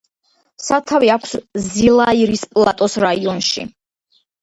სათავე აქვს ზილაირის პლატოს რაიონში.